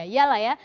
ya lah ya